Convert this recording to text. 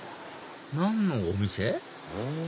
何のお店？